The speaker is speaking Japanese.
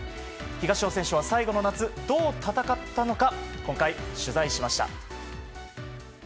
東尾選手は最後の夏どう戦ったのか今回取材しました。